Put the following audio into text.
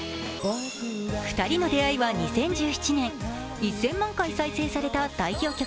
２人の出会いは２０１７年、１０００万回再生された代表曲